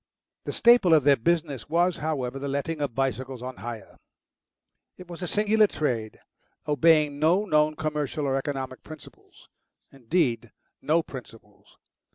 The staple of their business was, however, the letting of bicycles on hire. It was a singular trade, obeying no known commercial or economic principles indeed, no principles.